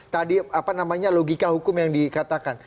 tadi apa namanya logika hukum yang dikatakan